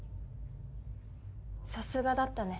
さすがだったね。